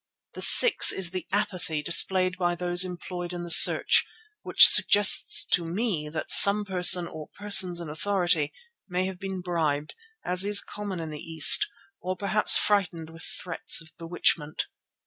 The sixth is the apathy displayed by those employed in the search, which suggests to me that some person or persons in authority may have been bribed, as is common in the East, or perhaps frightened with threats of bewitchment.